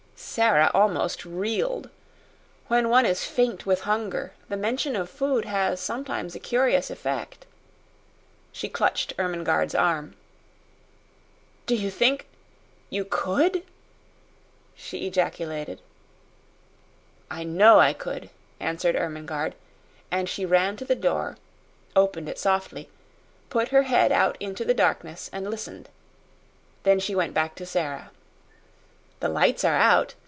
Sara almost reeled. When one is faint with hunger the mention of food has sometimes a curious effect. She clutched Ermengarde's arm. "Do you think you COULD?" she ejaculated. "I know I could," answered Ermengarde, and she ran to the door opened it softly put her head out into the darkness, and listened. Then she went back to Sara. "The lights are out.